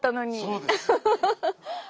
そうです。